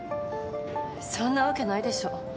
そんなわけないでしょ。